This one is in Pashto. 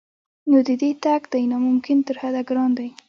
نو د دې تګ دی نا ممکن تر حده ګران دی